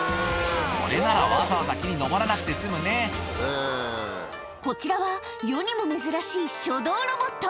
これならわざわざ木に登らなくてこちらは、世にも珍しい書道ロボット。